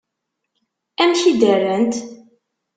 Amek i d-rrant?